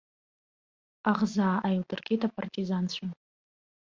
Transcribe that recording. Аӷзаа ааилдыргеит апартизанцәа.